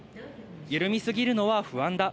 緩みすぎるのは不安だ。